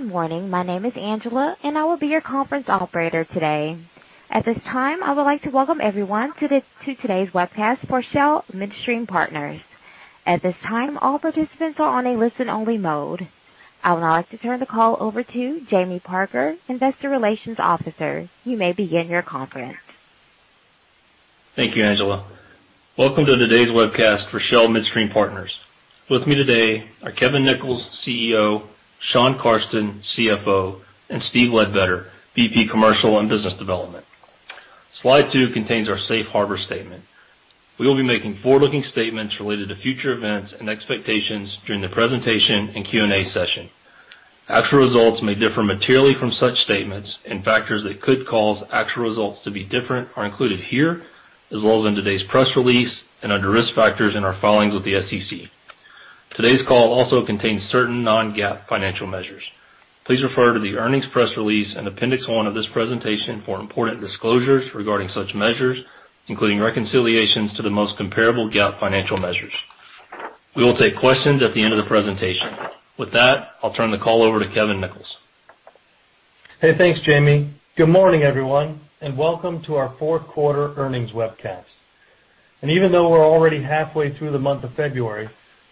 Good morning. My name is Angela, and I will be your conference operator today. At this time, I would like to welcome everyone to today's webcast for Shell Midstream Partners. At this time, all participants are on a listen-only mode. I would now like to turn the call over to Jamie Parker, investor relations officer. You may begin your conference. Thank you, Angela. Welcome to today's webcast for Shell Midstream Partners. With me today are Kevin Nichols, CEO, Shawn Carsten, CFO, and Steve Ledbetter, VP Commercial and Business Development. Slide two contains our safe harbor statement. We will be making forward-looking statements related to future events and expectations during the presentation and Q&A session. Actual results may differ materially from such statements. Factors that could cause actual results to be different are included here, as well as in today's press release and under Risk Factors in our filings with the SEC. Today's call also contains certain non-GAAP financial measures. Please refer to the earnings press release and Appendix one of this presentation for important disclosures regarding such measures, including reconciliations to the most comparable GAAP financial measures. We will take questions at the end of the presentation. With that, I'll turn the call over to Kevin Nichols. Hey, thanks, Jamie. Good morning, everyone, and welcome to our fourth quarter earnings webcast. Even though we're already halfway through the month of February,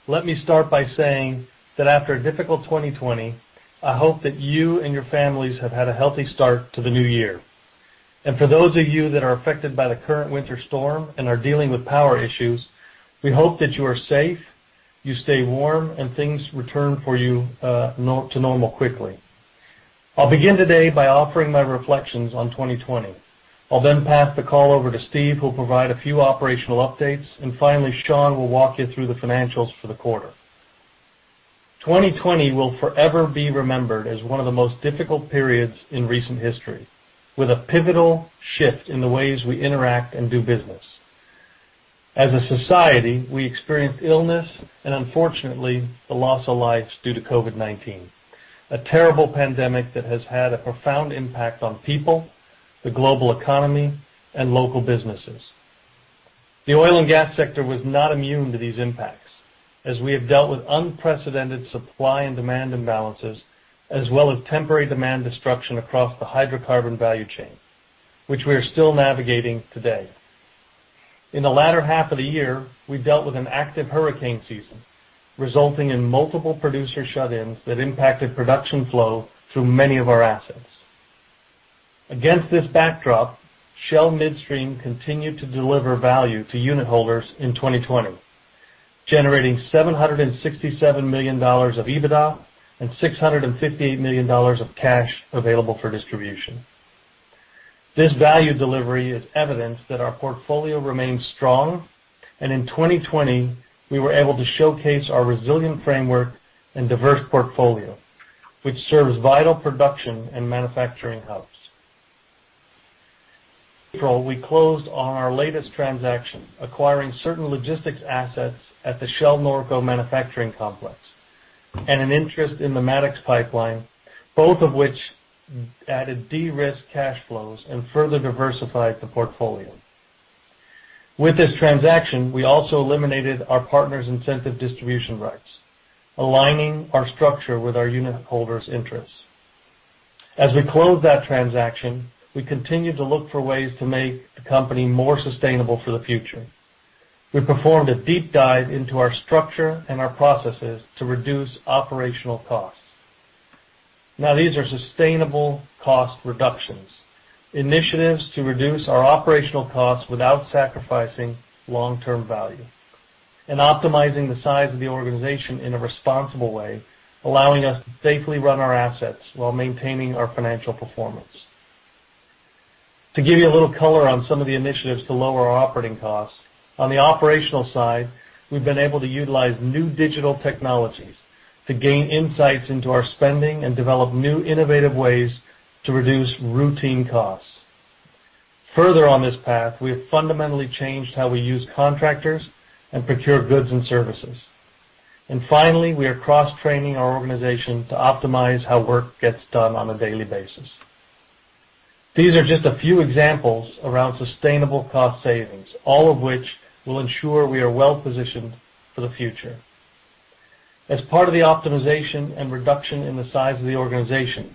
let me start by saying that after a difficult 2020, I hope that you and your families have had a healthy start to the new year. For those of you that are affected by the current winter storm and are dealing with power issues, we hope that you are safe, you stay warm, and things return for you to normal quickly. I'll begin today by offering my reflections on 2020. I'll then pass the call over to Steve, who'll provide a few operational updates. Finally, Shawn will walk you through the financials for the quarter. 2020 will forever be remembered as one of the most difficult periods in recent history, with a pivotal shift in the ways we interact and do business. As a society, we experienced illness and unfortunately, the loss of lives due to COVID-19, a terrible pandemic that has had a profound impact on people, the global economy, and local businesses. The oil and gas sector was not immune to these impacts, as we have dealt with unprecedented supply and demand imbalances as well as temporary demand destruction across the hydrocarbon value chain, which we are still navigating today. In the latter half of the year, we dealt with an active hurricane season, resulting in multiple producer shut-ins that impacted production flow through many of our assets. Against this backdrop, Shell Midstream continued to deliver value to unitholders in 2020, generating $767 million of EBITDA and $658 million of cash available for distribution. This value delivery is evidence that our portfolio remains strong. In 2020, we were able to showcase our resilient framework and diverse portfolio, which serves vital production and manufacturing hubs. We closed on our latest transaction, acquiring certain logistics assets at the Shell Norco manufacturing complex and an interest in the Mattox Pipeline, both of which added de-risk cash flows and further diversified the portfolio. With this transaction, we also eliminated our partners' incentive distribution rights, aligning our structure with our unitholders' interests. As we close that transaction, we continue to look for ways to make the company more sustainable for the future. We performed a deep dive into our structure and our processes to reduce operational costs. These are sustainable cost reductions, initiatives to reduce our operational costs without sacrificing long-term value and optimizing the size of the organization in a responsible way, allowing us to safely run our assets while maintaining our financial performance. To give you a little color on some of the initiatives to lower our operating costs, on the operational side, we've been able to utilize new digital technologies to gain insights into our spending and develop new innovative ways to reduce routine costs. Further on this path, we have fundamentally changed how we use contractors and procure goods and services. Finally, we are cross-training our organization to optimize how work gets done on a daily basis. These are just a few examples around sustainable cost savings, all of which will ensure we are well-positioned for the future. As part of the optimization and reduction in the size of the organization,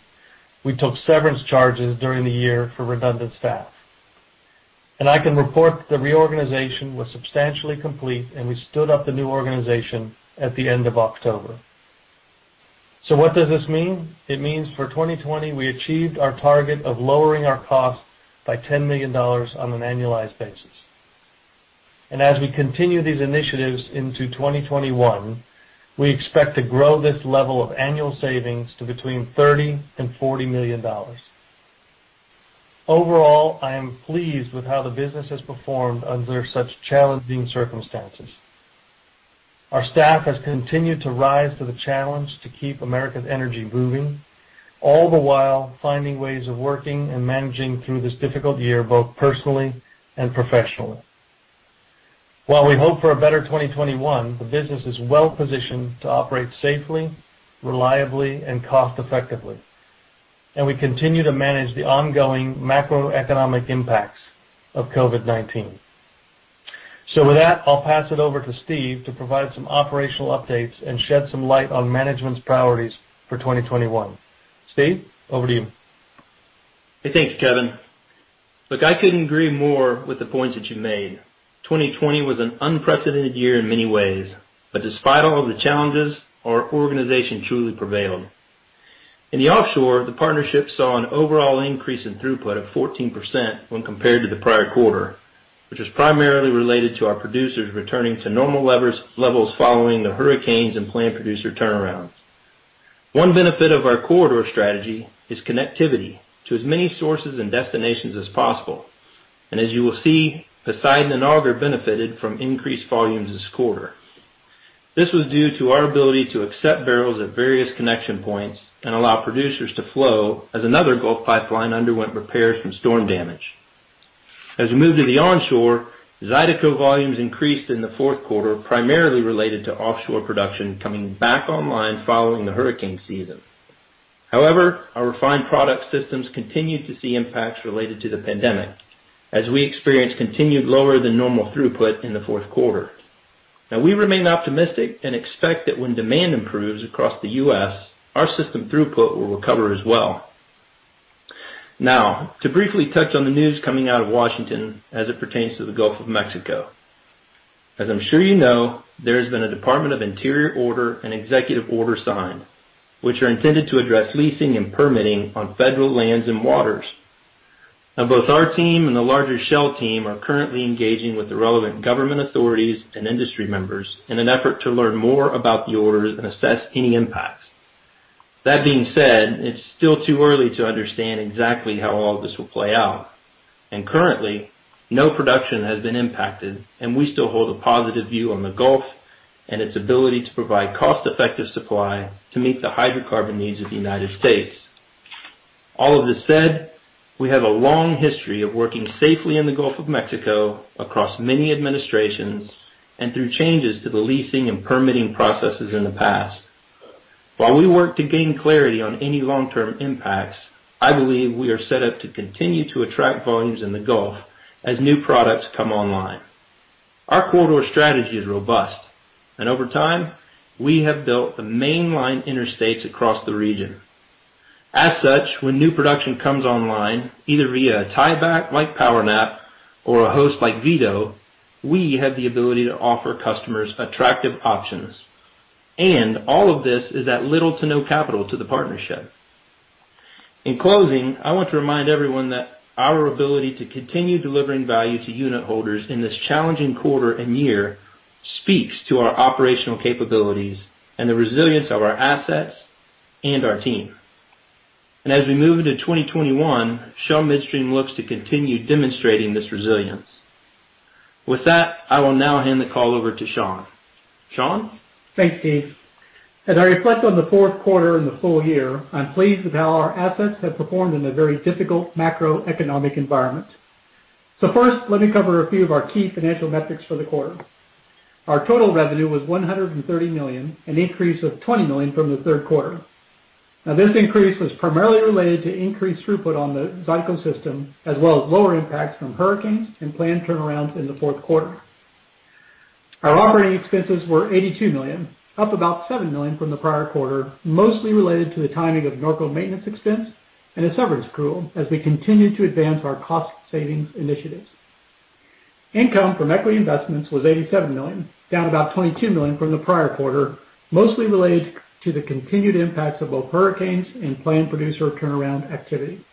we took severance charges during the year for redundant staff. I can report the reorganization was substantially complete. We stood up the new organization at the end of October. What does this mean? It means for 2020, we achieved our target of lowering our costs by $10 million on an annualized basis. As we continue these initiatives into 2021, we expect to grow this level of annual savings to between $30 million and $40 million. Overall, I am pleased with how the business has performed under such challenging circumstances. Our staff has continued to rise to the challenge to keep America's energy moving, all the while finding ways of working and managing through this difficult year, both personally and professionally. While we hope for a better 2021, the business is well-positioned to operate safely, reliably, and cost-effectively. We continue to manage the ongoing macroeconomic impacts of COVID-19. With that, I'll pass it over to Steve to provide some operational updates and shed some light on management's priorities for 2021. Steve, over to you. Hey, thanks, Kevin. Look, I couldn't agree more with the points that you made. 2020 was an unprecedented year in many ways. Despite all of the challenges, our organization truly prevailed. In the offshore, the partnership saw an overall increase in throughput of 14% when compared to the prior quarter, which was primarily related to our producers returning to normal levels following the hurricanes and planned producer turnarounds. One benefit of our corridor strategy is connectivity to as many sources and destinations as possible. As you will see, Poseidon and Auger benefited from increased volumes this quarter. This was due to our ability to accept barrels at various connection points and allow producers to flow as another Gulf pipeline underwent repairs from storm damage. As we move to the onshore, Zydeco volumes increased in the fourth quarter, primarily related to offshore production coming back online following the hurricane season. However, our refined product systems continued to see impacts related to the pandemic, as we experienced continued lower than normal throughput in the fourth quarter. We remain optimistic and expect that when demand improves across the U.S., our system throughput will recover as well. To briefly touch on the news coming out of Washington as it pertains to the Gulf of Mexico. As I'm sure you know, there has been a Department of the Interior order and executive order signed, which are intended to address leasing and permitting on federal lands and waters. Both our team and the larger Shell team are currently engaging with the relevant government authorities and industry members in an effort to learn more about the orders and assess any impacts. That being said, it's still too early to understand exactly how all this will play out. Currently, no production has been impacted, and we still hold a positive view on the Gulf and its ability to provide cost-effective supply to meet the hydrocarbon needs of the United States. All of this said, we have a long history of working safely in the Gulf of Mexico across many administrations and through changes to the leasing and permitting processes in the past. While we work to gain clarity on any long-term impacts, I believe we are set up to continue to attract volumes in the Gulf as new products come online. Our corridor strategy is robust, over time, we have built the mainline interstates across the region. As such, when new production comes online, either via a tieback like PowerNap or a host like Vito, we have the ability to offer customers attractive options. All of this is at little to no capital to the partnership. In closing, I want to remind everyone that our ability to continue delivering value to unit holders in this challenging quarter and year speaks to our operational capabilities and the resilience of our assets and our team. As we move into 2021, Shell Midstream looks to continue demonstrating this resilience. With that, I will now hand the call over to Shawn. Shawn? Thanks, Steve. As I reflect on the fourth quarter and the full year, I'm pleased with how our assets have performed in a very difficult macroeconomic environment. First, let me cover a few of our key financial metrics for the quarter. Our total revenue was $130 million, an increase of $20 million from the third quarter. This increase was primarily related to increased throughput on the Zydeco system, as well as lower impacts from hurricanes and planned turnarounds in the fourth quarter. Our operating expenses were $82 million, up about $7 million from the prior quarter, mostly related to the timing of Norco maintenance expense and a severance accrual as we continue to advance our cost savings initiatives. Income from equity investments was $87 million, down about $22 million from the prior quarter, mostly related to the continued impacts of both hurricanes and planned producer turnaround activity.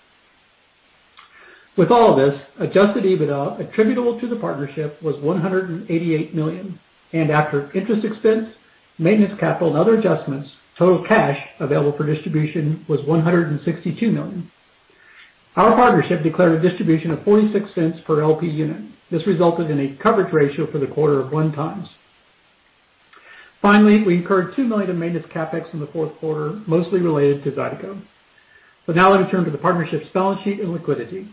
With all of this, adjusted EBITDA attributable to the partnership was $188 million, after interest expense, maintenance capital and other adjustments, total cash available for distribution was $162 million. Our partnership declared a distribution of $0.46 per LP unit. This resulted in a coverage ratio for the quarter of one times. Finally, we incurred $2 million in maintenance CapEx in the fourth quarter, mostly related to Zydeco. Now let me turn to the partnership's balance sheet and liquidity.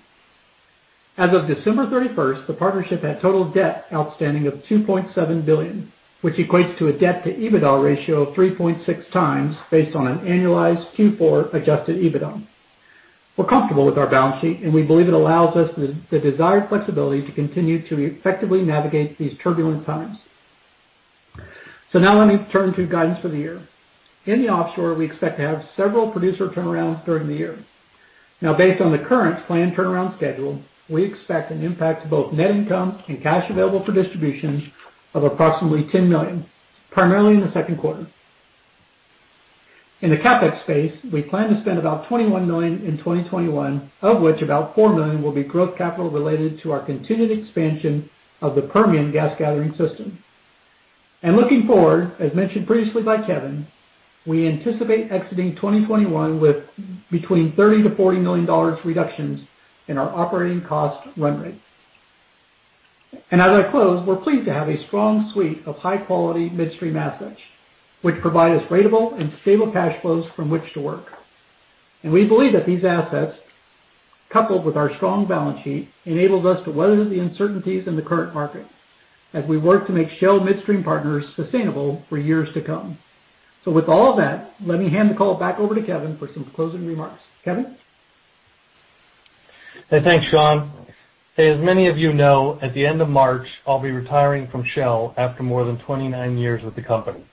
As of December 31st, the partnership had total debt outstanding of $2.7 billion, which equates to a debt to EBITDA ratio of 3.6 times based on an annualized Q4 adjusted EBITDA. We're comfortable with our balance sheet, we believe it allows us the desired flexibility to continue to effectively navigate these turbulent times. Now let me turn to guidance for the year. In the offshore, we expect to have several producer turnarounds during the year. Based on the current plan turnaround schedule, we expect an impact to both net income and cash available for distributions of approximately $10 million, primarily in the second quarter. In the CapEx space, we plan to spend about $21 million in 2021, of which about $4 million will be growth capital related to our continued expansion of the Permian gas gathering system. Looking forward, as mentioned previously by Kevin, we anticipate exiting 2021 with between $30 million-$40 million reductions in our operating cost run rate. As I close, we're pleased to have a strong suite of high-quality midstream assets, which provide us ratable and stable cash flows from which to work. We believe that these assets, coupled with our strong balance sheet, enables us to weather the uncertainties in the current market as we work to make Shell Midstream Partners sustainable for years to come. With all that, let me hand the call back over to Kevin for some closing remarks. Kevin? Hey, thanks, Shawn. As many of you know, at the end of March, I'll be retiring from Shell after more than 29 years with the company.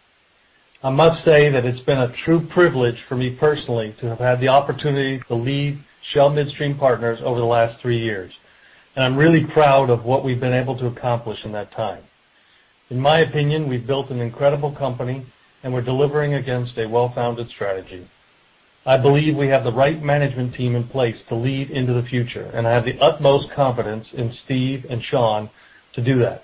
I must say that it's been a true privilege for me personally to have had the opportunity to lead Shell Midstream Partners over the last three years, and I'm really proud of what we've been able to accomplish in that time. In my opinion, we've built an incredible company, and we're delivering against a well-founded strategy. I believe we have the right management team in place to lead into the future, and I have the utmost confidence in Steve and Shawn to do that.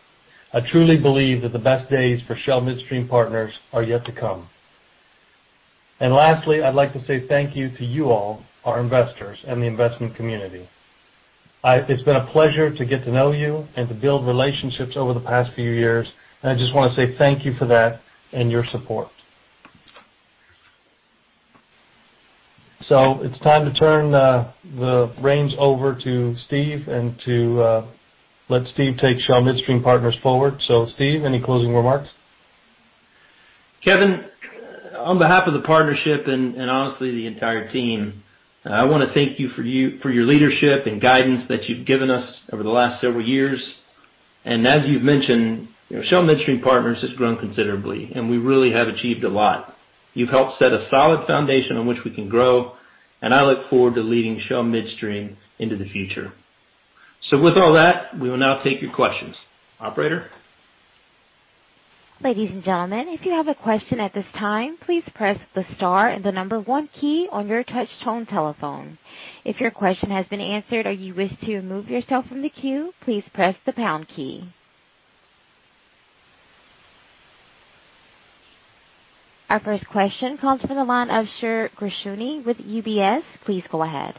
I truly believe that the best days for Shell Midstream Partners are yet to come. Lastly, I'd like to say thank you to you all, our investors, and the investment community. It's been a pleasure to get to know you and to build relationships over the past few years, and I just want to say thank you for that and your support. It's time to turn the reins over to Steve and to let Steve take Shell Midstream Partners forward. Steve, any closing remarks? Kevin, on behalf of the partnership, and honestly, the entire team, I want to thank you for your leadership and guidance that you've given us over the last several years. As you've mentioned, Shell Midstream Partners has grown considerably, and we really have achieved a lot. You've helped set a solid foundation on which we can grow, and I look forward to leading Shell Midstream into the future. With all that, we will now take your questions. Operator? Ladies and gentlemen, if you have a question at this time, please press the star and the number one key on your touch-tone telephone. If your question has been answered or you wish to remove yourself from the queue, please press the pound key. Our first question comes from the line of Shneur Gershuni with UBS. Please go ahead.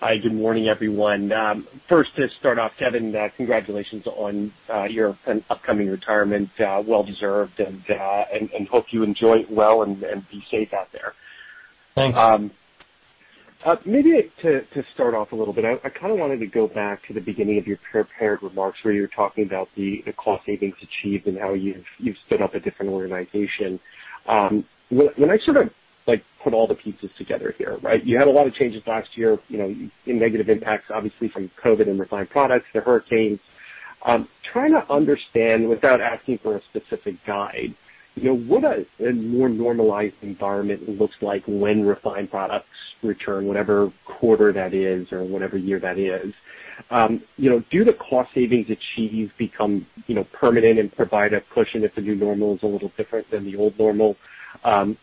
Hi, good morning, everyone. First, to start off, Kevin, congratulations on your upcoming retirement. Well deserved, and hope you enjoy it well and be safe out there. Thanks. Maybe to start off a little bit, I kind of wanted to go back to the beginning of your prepared remarks, where you were talking about the cost savings achieved and how you've stood up a different organization. When I sort of put all the pieces together here, right? You had a lot of changes last year, negative impacts, obviously, from COVID and refined products, the hurricanes. Trying to understand without asking for a specific guide, what a more normalized environment looks like when refined products return, whatever quarter that is or whatever year that is. Do the cost savings achieved become permanent and provide a cushion if the new normal is a little different than the old normal?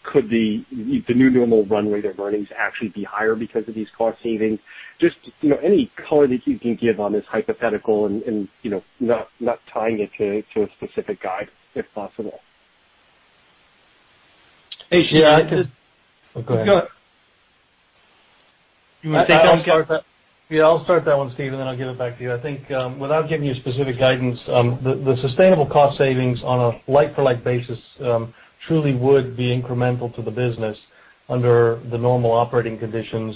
Could the new normal run rate of earnings actually be higher because of these cost savings? Just any color that you can give on this hypothetical and not tying it to a specific guide, if possible. Hey, Shneur. Yeah, I could. Oh, go ahead. You want me to take that one, Kevin? I'll start that one, Steve, and then I'll give it back to you. I think without giving you specific guidance, the sustainable cost savings on a like-for-like basis truly would be incremental to the business under the normal operating conditions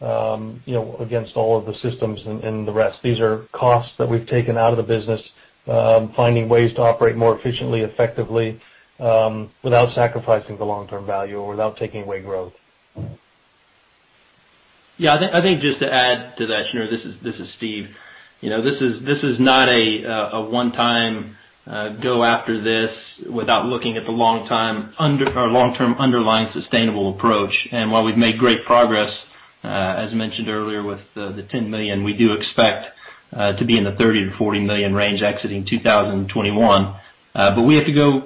against all of the systems and the rest. These are costs that we've taken out of the business, finding ways to operate more efficiently, effectively without sacrificing the long-term value or without taking away growth. I think just to add to that, Shneur, this is Steve. This is not a one-time go after this without looking at the long-term underlying sustainable approach. While we've made great progress, as mentioned earlier, with the $10 million, we do expect to be in the $30 million-$40 million range exiting 2021. We have to go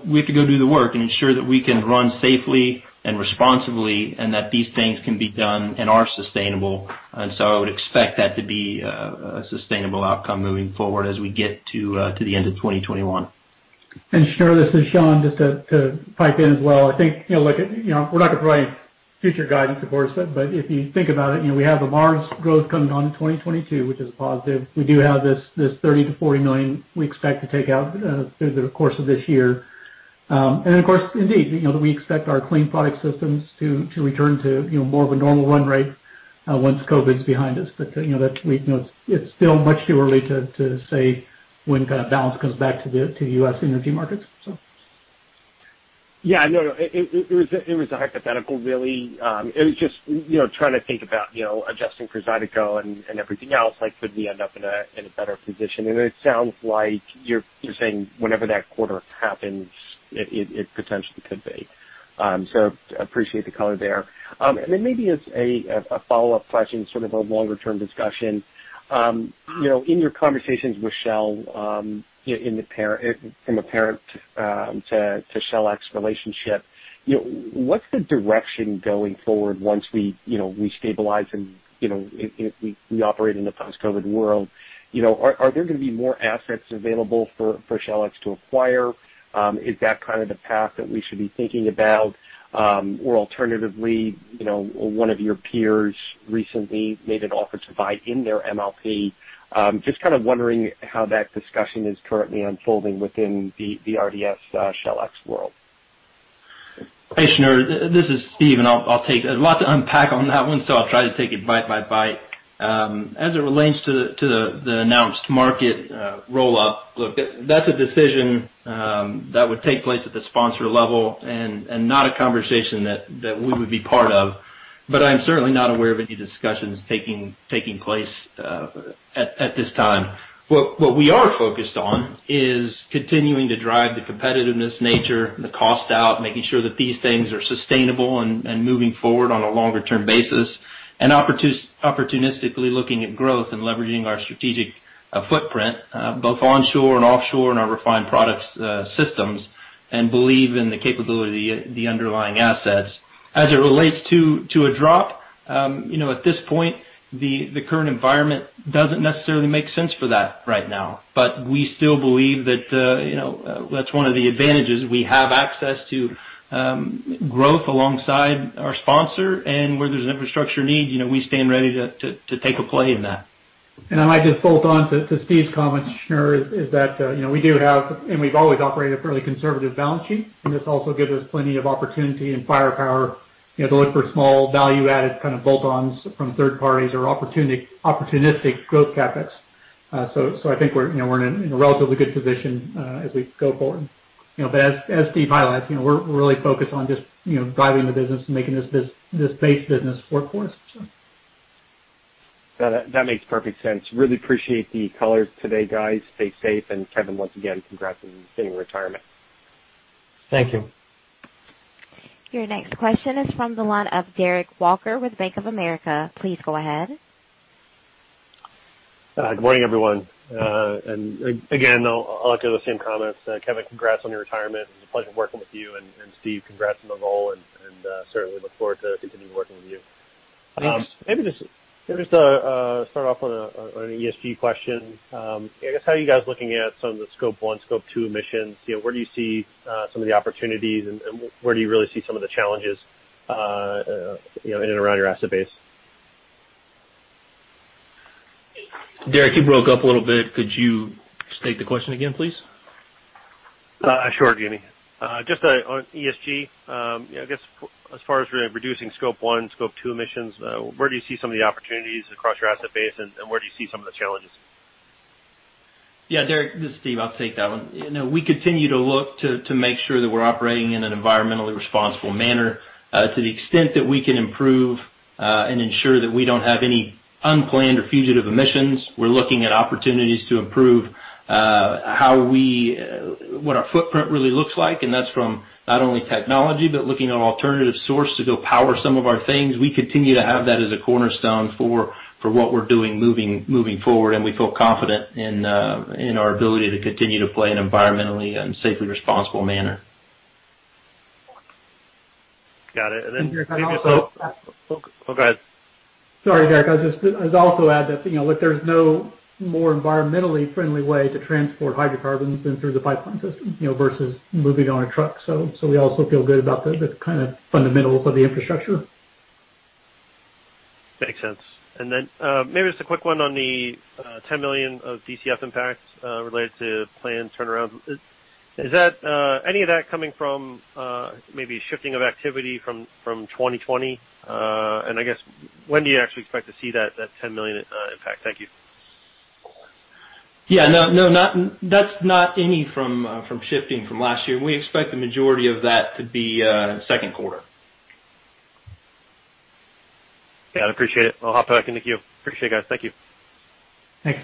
do the work and ensure that we can run safely and responsibly and that these things can be done and are sustainable. I would expect that to be a sustainable outcome moving forward as we get to the end of 2021. Shneur, this is Shawn, just to pipe in as well. I think we're not going to provide future guidance, of course, if you think about it, we have the Mars growth coming on in 2022, which is a positive. We do have this $30 million-$40 million we expect to take out through the course of this year. Of course, indeed, that we expect our clean products systems to return to more of a normal run rate once COVID-19 is behind us. It's still much too early to say when kind of balance comes back to the U.S. energy markets. It was a hypothetical, really. It was just trying to think about adjusting for Zydeco and everything else, could we end up in a better position? It sounds like you're saying whenever that quarter happens, it potentially could be. Appreciate the color there. Then maybe as a follow-up question, sort of a longer-term discussion. In your conversations with Shell, from a parent to SHLX relationship, what's the direction going forward once we stabilize and if we operate in a post-COVID-19 world? Are there going to be more assets available for SHLX to acquire? Is that kind of the path that we should be thinking about? Or alternatively, one of your peers recently made an offer to buy in their MLP. Just kind of wondering how that discussion is currently unfolding within the RDS SHLX world. Shneur, this is Steve. I'll take a lot to unpack on that one. I'll try to take it bite by bite. As it relates to the announced market roll-up, look, that's a decision that would take place at the sponsor level and not a conversation that we would be part of. I'm certainly not aware of any discussions taking place at this time. What we are focused on is continuing to drive the competitiveness nature, the cost out, making sure that these things are sustainable and moving forward on a longer-term basis, opportunistically looking at growth and leveraging our strategic footprint both onshore and offshore in our refined products systems, believe in the capability of the underlying assets. As it relates to a drop, at this point, the current environment doesn't necessarily make sense for that right now. We still believe that that's one of the advantages. We have access to growth alongside our sponsor, where there's infrastructure needs, we stand ready to take a play in that. I might just bolt on to Steve's comments here is that, we do have, and we've always operated a fairly conservative balance sheet. This also gives us plenty of opportunity and firepower to look for small value-added kind of bolt-ons from third parties or opportunistic growth CapEx. I think we're in a relatively good position as we go forward. As Steve highlights, we're really focused on just driving the business and making this base business work for us. That makes perfect sense. Really appreciate the color today, guys. Stay safe. Kevin, once again, congrats on your pending retirement. Thank you. Your next question is from the line of Derek Walker with Bank of America. Please go ahead. Hi. Good morning, everyone. Again, I'll echo the same comments. Kevin, congrats on your retirement. It was a pleasure working with you, and Steve, congrats on the role, and certainly look forward to continuing working with you. Thanks. Maybe just start off on an ESG question. I guess, how are you guys looking at some of the Scope 1, Scope 2 emissions? Where do you see some of the opportunities, and where do you really see some of the challenges in and around your asset base? Derek, you broke up a little bit. Could you state the question again, please? Sure, Jamie. Just on ESG, I guess as far as reducing Scope 1, Scope 2 emissions, where do you see some of the opportunities across your asset base, and where do you see some of the challenges? Yeah, Derek, this is Steve. I'll take that one. We continue to look to make sure that we're operating in an environmentally responsible manner. To the extent that we can improve and ensure that we don't have any unplanned or fugitive emissions, we're looking at opportunities to improve what our footprint really looks like. That's from not only technology, but looking at alternative source to go power some of our things. We continue to have that as a cornerstone for what we're doing moving forward. We feel confident in our ability to continue to play an environmentally and safely responsible manner. Got it. Derek, I'd also Oh, go ahead. Sorry, Derek. I'd also add that there's no more environmentally friendly way to transport hydrocarbons than through the pipeline system versus moving on a truck. We also feel good about the kind of fundamentals of the infrastructure. Makes sense. Then maybe just a quick one on the $10 million of DCF impact related to planned turnaround. Is any of that coming from maybe shifting of activity from 2020? I guess, when do you actually expect to see that $10 million impact? Thank you. Yeah. No, that's not any from shifting from last year. We expect the majority of that to be second quarter. Yeah, I appreciate it. I'll hop back into the queue. Appreciate it, guys. Thank you. Thanks.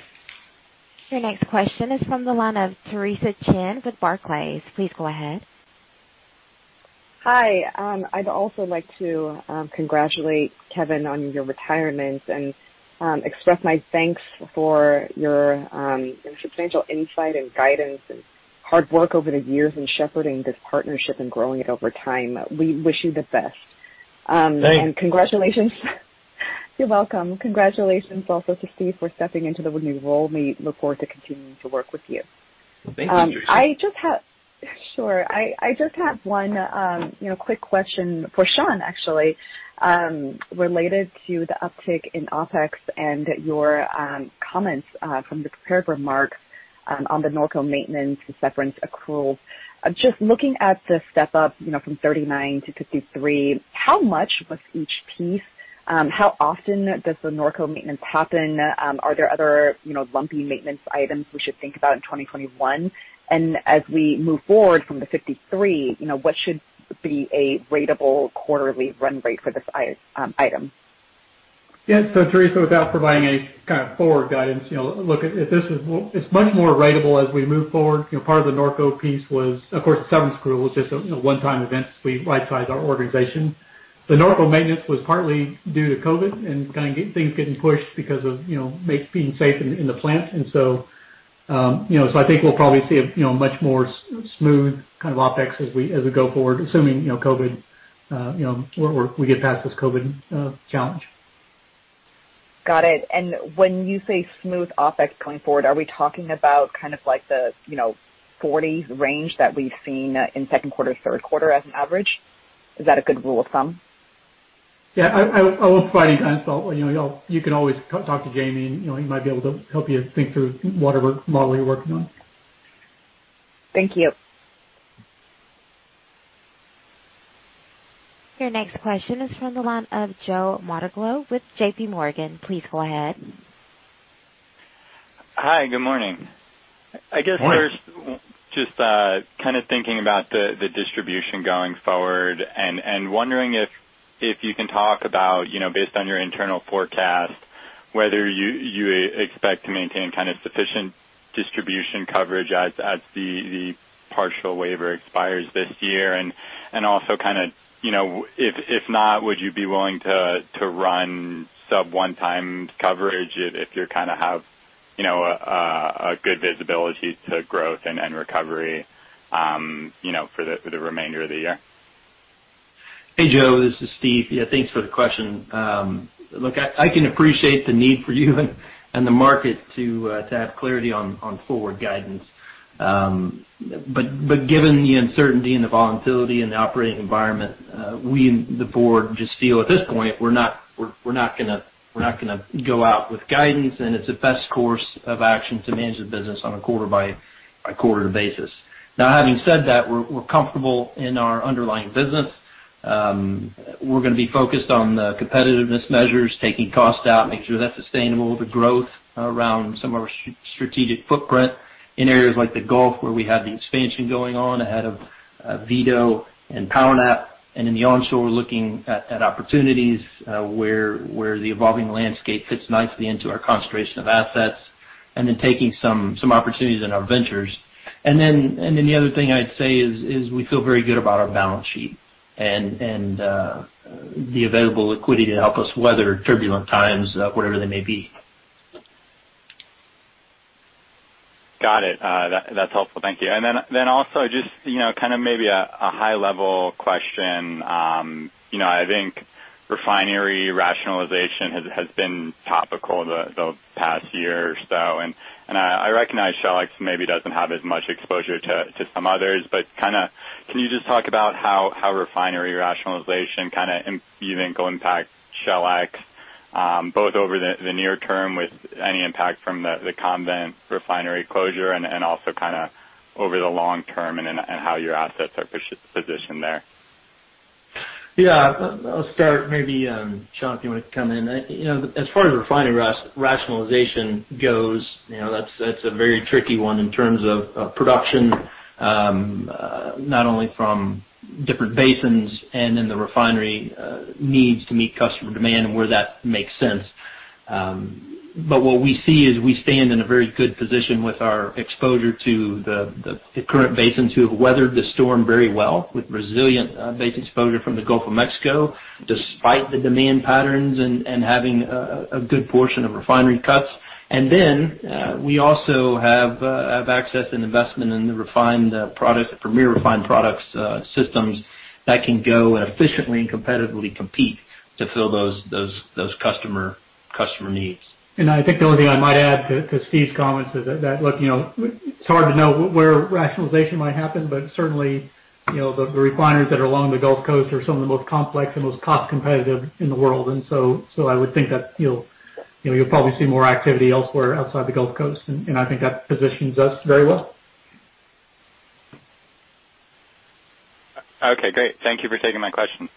Your next question is from the line of Theresa Chen with Barclays. Please go ahead. Hi. I'd also like to congratulate Kevin on your retirement and express my thanks for your substantial insight and guidance and hard work over the years in shepherding this partnership and growing it over time. We wish you the best. Thanks. Congratulations. You're welcome. Congratulations also to Steve for stepping into the new role. We look forward to continuing to work with you. Thank you, Theresa. Sure. I just have one quick question for Shawn, actually, related to the uptick in OpEx and your comments from the prepared remarks on the Norco maintenance severance accruals. Looking at the step-up from 39 to 53, how much was each piece? How often does the Norco maintenance happen? Are there other lumpy maintenance items we should think about in 2021? As we move forward from the 53, what should be a ratable quarterly run rate for this item? Yeah. Theresa, without providing a kind of forward guidance, look, it's much more ratable as we move forward. Part of the Norco piece was, of course, severance accrual was just a one-time event as we right-sized our organization. The Norco maintenance was partly due to COVID and kind of things getting pushed because of being safe in the plant. I think we'll probably see a much more smooth kind of OpEx as we go forward, assuming we get past this COVID challenge. Got it. When you say smooth OpEx going forward, are we talking about kind of like the 40 range that we've seen in second quarter, third quarter as an average? Is that a good rule of thumb? Yeah. I won't provide any guidance, but you can always talk to Jamie, and he might be able to help you think through whatever model you're working on. Thank you. Your next question is from the line of Joe Mattiello with J.P. Morgan. Please go ahead. Hi, good morning. Good morning. I guess first, just thinking about the distribution going forward and wondering if you can talk about, based on your internal forecast, whether you expect to maintain sufficient distribution coverage as the partial waiver expires this year. Also if not, would you be willing to run sub one-time coverage if you have a good visibility to growth and recovery for the remainder of the year? Hey, Joe, this is Steve. Yeah, thanks for the question. Look, I can appreciate the need for you and the market to have clarity on forward guidance. Given the uncertainty and the volatility in the operating environment, we, the board, just feel at this point, we're not going to go out with guidance, it's a best course of action to manage the business on a quarter by quarter basis. Having said that, we're comfortable in our underlying business. We're going to be focused on the competitiveness measures, taking costs out, making sure that's sustainable, the growth around some of our strategic footprint in areas like the Gulf, where we have the expansion going on out of Vito and PowerNap, in the onshore, we're looking at opportunities where the evolving landscape fits nicely into our concentration of assets, then taking some opportunities in our ventures. The other thing I'd say is we feel very good about our balance sheet and the available liquidity to help us weather turbulent times whatever they may be. Got it. That's helpful. Thank you. Also just maybe a high-level question. I think refinery rationalization has been topical the past year or so, I recognize SHLX maybe doesn't have as much exposure to some others, but can you just talk about how refinery rationalization you think will impact SHLX, both over the near term with any impact from the Convent refinery closure, and also over the long term and how your assets are positioned there? Yeah. I'll start. Maybe, Shawn, if you want to come in. As far as refinery rationalization goes, that's a very tricky one in terms of production, not only from different basins the refinery needs to meet customer demand and where that makes sense. What we see is we stand in a very good position with our exposure to the current basins who have weathered the storm very well with resilient basin exposure from the Gulf of Mexico, despite the demand patterns and having a good portion of refinery cuts. We also have access and investment in the premier refined products systems that can go and efficiently and competitively compete to fill those customer needs. I think the only thing I might add to Steve's comments is that, look, it's hard to know where rationalization might happen, but certainly, the refineries that are along the Gulf Coast are some of the most complex and most cost competitive in the world. I would think that you'll probably see more activity elsewhere outside the Gulf Coast, I think that positions us very well. Okay, great. Thank you for taking my question.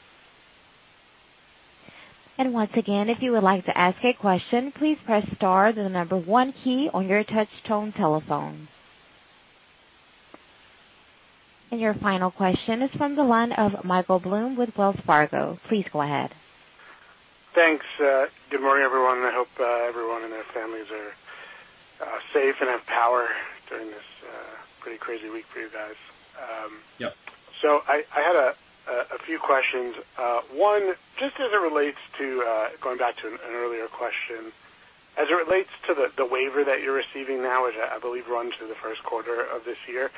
Once again, if you would like to ask a question, please press star, the number 1 key on your touch tone telephone. Your final question is from the line of Michael Blum with Wells Fargo. Please go ahead. Thanks. Good morning, everyone, I hope everyone and their families are safe and have power during this pretty crazy week for you guys. Yep. I had a few questions. One, just as it relates to going back to an earlier question, as it relates to the waiver that you're receiving now, which I believe runs through the first quarter of this year.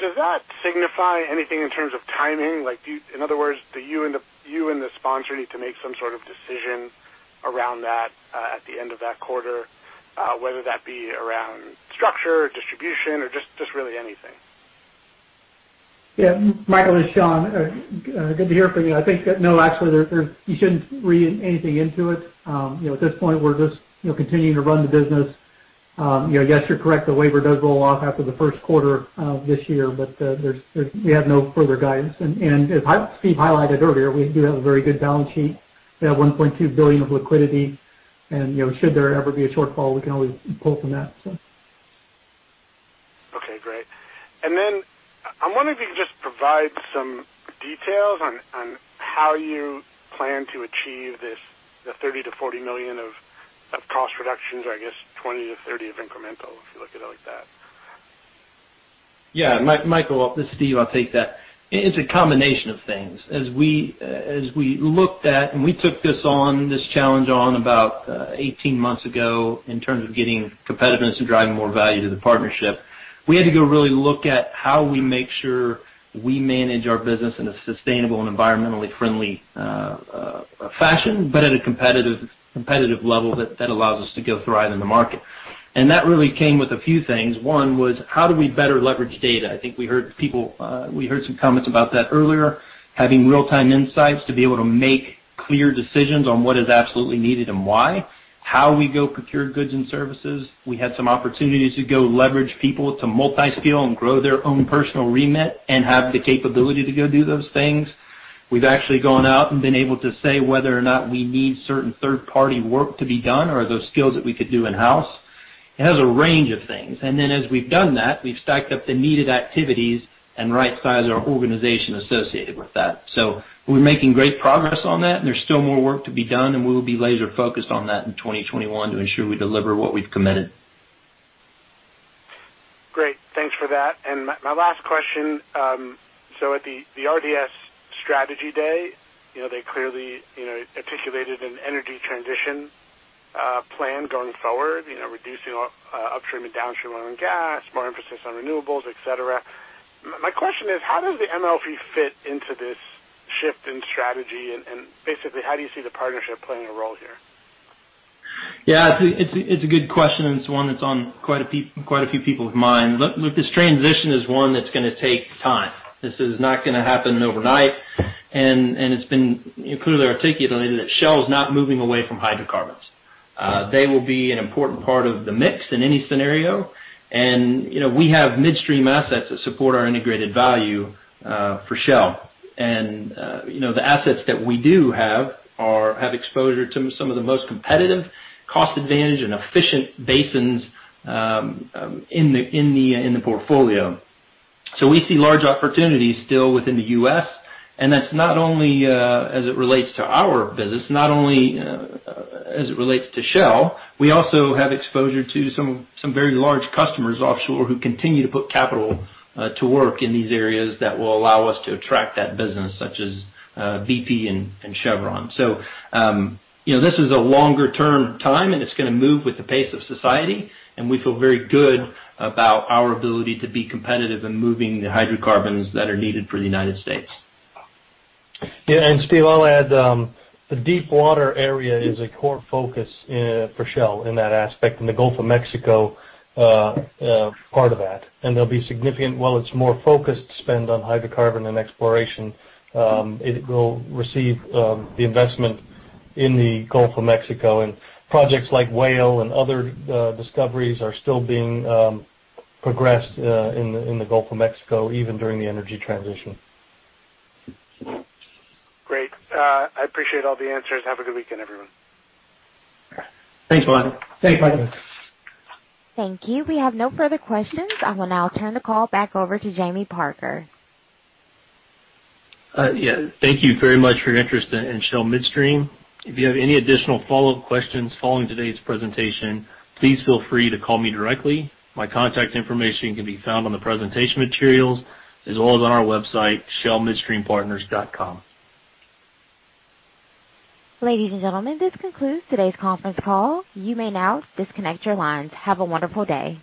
Does that signify anything in terms of timing? In other words, do you and the sponsor need to make some sort of decision around that at the end of that quarter, whether that be around structure, distribution, or just really anything? Michael, it's Shawn. Good to hear from you. No, actually, you shouldn't read anything into it. At this point, we're just continuing to run the business. Yes, you're correct, the waiver does roll off after the first quarter of this year, but we have no further guidance. As Steve highlighted earlier, we do have a very good balance sheet. We have $1.2 billion of liquidity, and should there ever be a shortfall, we can always pull from that. Okay, great. I wonder if you can just provide some details on how you plan to achieve the $30 million-$40 million of cost reductions or I guess $20 million-$30 million of incremental, if you look at it like that. Michael, this is Steve. I'll take that. It's a combination of things. As we looked at, we took this challenge on about 18 months ago in terms of getting competitiveness and driving more value to the partnership, we had to go really look at how we make sure we manage our business in a sustainable and environmentally friendly fashion, but at a competitive level that allows us to go thrive in the market. That really came with a few things. One was how do we better leverage data? I think we heard some comments about that earlier. Having real-time insights to be able to make clear decisions on what is absolutely needed and why. How we go procure goods and services. We had some opportunities to go leverage people to multi-skill and grow their own personal remit and have the capability to go do those things. We've actually gone out and been able to say whether or not we need certain third-party work to be done or are those skills that we could do in-house. It has a range of things. As we've done that, we've stacked up the needed activities and right-sized our organization associated with that. We're making great progress on that, and there's still more work to be done, and we will be laser-focused on that in 2021 to ensure we deliver what we've committed. My last question, at the Shell Strategy Day, they clearly articulated an energy transition plan going forward, reducing upstream and downstream oil and gas, more emphasis on renewables, et cetera. My question is, how does the MLP fit into this shift in strategy? Basically, how do you see the partnership playing a role here? Yeah, it's a good question. It's one that's on quite a few people's minds. Look, this transition is one that's going to take time. This is not going to happen overnight. It's been clearly articulated that Shell is not moving away from hydrocarbons. They will be an important part of the mix in any scenario. We have midstream assets that support our integrated value for Shell. The assets that we do have exposure to some of the most competitive cost advantage and efficient basins in the portfolio. We see large opportunities still within the U.S. That's not only as it relates to our business, not only as it relates to Shell. We also have exposure to some very large customers offshore who continue to put capital to work in these areas that will allow us to attract that business, such as BP and Chevron. This is a longer-term time. It's going to move with the pace of society. We feel very good about our ability to be competitive in moving the hydrocarbons that are needed for the United States. Yeah, Steve, I'll add, the deep water area is a core focus for Shell in that aspect. The Gulf of Mexico part of that. There'll be significant, while it's more focused spend on hydrocarbon and exploration, it will receive the investment in the Gulf of Mexico. Projects like Whale and other discoveries are still being progressed in the Gulf of Mexico, even during the energy transition. Great. I appreciate all the answers. Have a good weekend, everyone. Thanks, Michael. Thanks, Michael. Thank you. We have no further questions. I will now turn the call back over to Jamie Parker. Yeah. Thank you very much for your interest in Shell Midstream. If you have any additional follow-up questions following today's presentation, please feel free to call me directly. My contact information can be found on the presentation materials as well as on our website, shellmidstreampartners.com. Ladies and gentlemen, this concludes today's conference call. You may now disconnect your lines. Have a wonderful day.